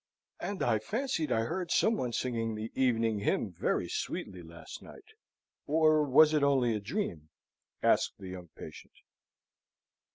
"And I fancied I heard some one singing the Evening Hymn very sweetly last night or was it only a dream?" asked the young patient.